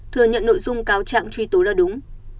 thừa nhận nội dung cáo trạng truy tố là đúng